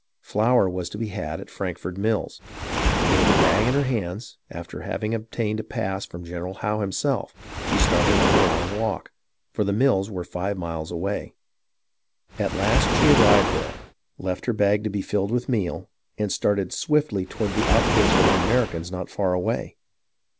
Flour was to be had at Frankford mills, and with a bag in her hands, after having obtained a pass from General Howe himself, she started on her long walk, for the mills were five miles away. At last she arrived there, left her bag to be filled with meal, and started swiftly toward the outposts of the Americans not far away.